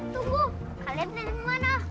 tunggu kalian mau ke mana